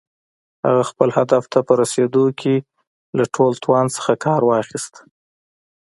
هغه خپل هدف ته په رسېدلو کې له ټول توان څخه کار واخيست.